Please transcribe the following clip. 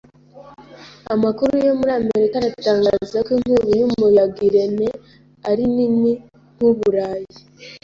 Amakuru yo muri Amerika aratangaza ko inkubi y'umuyaga Irene ari nini nk'Uburayi,